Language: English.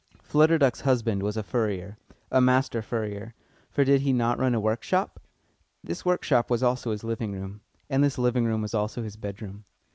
Flutter Duck's husband was a furrier a master furrier, for did he not run a workshop? This workshop was also his living room, and this living room was also his bedroom.